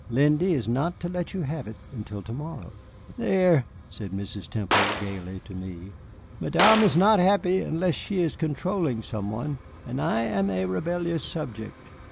Lindy is not to let you have it until to morrow." "There," said Mrs. Temple, gayly, to me, "Madame is not happy unless she is controlling some one, and I am a rebellious subject."